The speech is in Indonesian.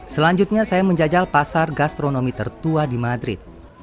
selanjutnya saya menjajal pasar gastronomi tertua di madrid